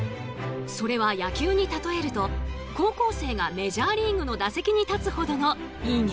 それは野球に例えると高校生がメジャーリーグの打席に立つほどの偉業。